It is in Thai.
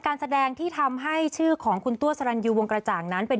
การแสดงที่ทำให้ชื่อของคุณตัวสรรยูวงกระจ่างนั้นเป็น